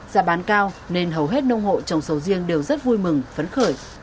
giá bán cao nên hầu hết nông hộ trồng sầu riêng đều rất vui mừng phấn khởi